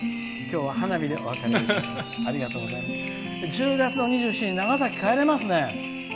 １０月の２７日長崎に帰れますね。